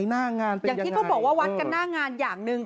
หน้างานอย่างที่เขาบอกว่าวัดกันหน้างานอย่างหนึ่ง